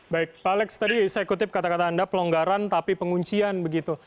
baik pak alex tadi saya kutip kata kata anda pelonggaran tapi penguncian begitu